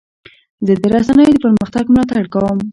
زه د رسنیو د پرمختګ ملاتړ کوم.